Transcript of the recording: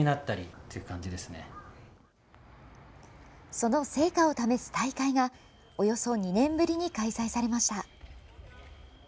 その成果を試す大会がおよそ２年ぶりに開催されました。